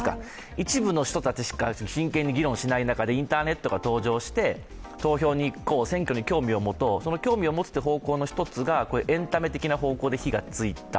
一部の人たちしか真剣に議論しない中で、インターネットが登場して投票に行こう、選挙に興味を持とう興味を持つという一つの方法がエンタメ的な方向で火がついた。